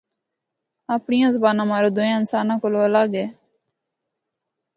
اپڑیاں زباناں ماروں دویاں انساناں کولوں الگ وے۔